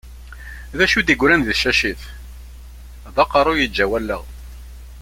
D acu i d-igran di tcacit? D aqerru yeǧǧa wallaɣ.